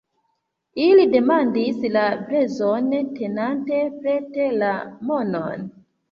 Ili demandis La prezon, tenante prete la monon.